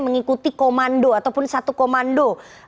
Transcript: mengikuti komando ataupun satu komando